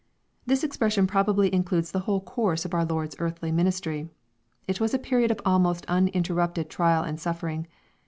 ] This expression probably includes t\ie whole course of our Lord's earthly ministry. It was a period of almost uninterrupted trial and suflfering.